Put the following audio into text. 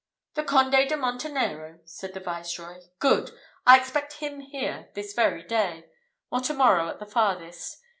"The Conde de Montenero!" said the Viceroy. "Good! I expect him here this very day, or to morrow at the farthest.